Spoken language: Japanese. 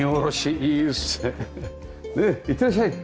ねっ「いってらっしゃい！」。